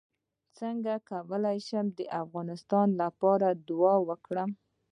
څنګه کولی شم د افغانستان لپاره دعا وکړم